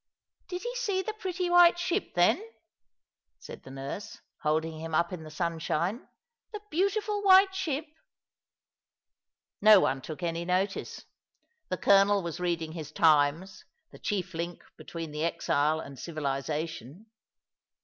" Did he see the pretty white ship, then ?" said the nurse, holding him up in the sunshine. " The beautiful white ship." No one took any notice. The colonel was reading his Times, the chief link between the exile and civilization.